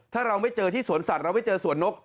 ถ้าเราไม่เจอที่สวนสัตว์เราไม่เจอสวนนก